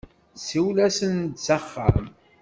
Siwel-asen-d s axxam.